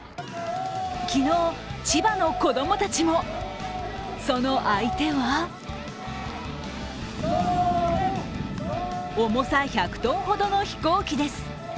昨日、千葉の子供たちもその相手は重さ１００ｔほどの飛行機です。